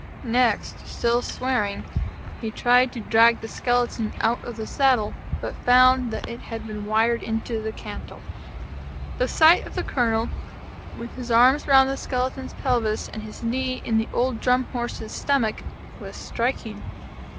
Next, still swearing, he tried to drag the skeleton out of the saddle, but found that it had been wired into the cantle. The sight of the Colonel, with his arms round the skeleton's pelvis and his knee in the old Drum Horse's stomach, was striking.